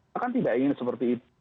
maka tidak ingin seperti itu